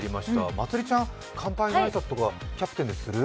まつりちゃん、乾杯の挨拶とかキャプテンでする？